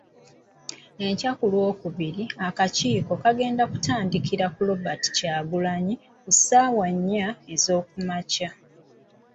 Enkya ku Lwokubiri, akakiiko kagenda kutandikira ku Robert Kyagulanyi ku ssaawa nnya ez'okumakya,